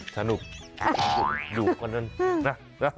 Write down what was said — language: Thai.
สนุกดุกว่านั้นนะ